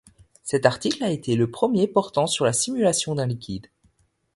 Cet article a été le premier portant sur la simulation d'un liquide.